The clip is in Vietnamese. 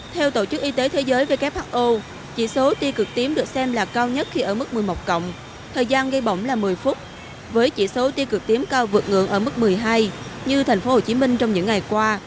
theo tổ chức y tế thế giới who chỉ số tiêu cực tím được xem là cao nhất khi ở mức một mươi một cộng thời gian gây bỏng là một mươi phút với chỉ số tiêu cực tím cao vượt ngưỡng ở mức một mươi hai như tp hcm trong những ngày qua